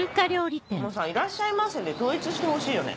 もうさ「いらっしゃいませ」で統一してほしいよね。